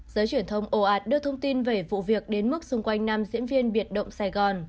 giới truyền thông ồ ạt đưa thông tin về vụ việc đến mức xung quanh nam diễn viên biệt động sài gòn